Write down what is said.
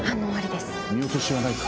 見落としはないか？